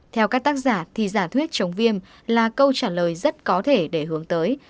theo các tác giả thì giả thuyết chống viêm là câu trả lời rất có thể để hướng tới